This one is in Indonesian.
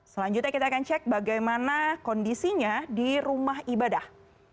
selanjutnya kita akan cek bagaimana kondisinya di rumah ibadah